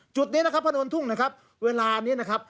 จุดนี้นะครับถนนทุ่งนะครับเวลานี้นะครับ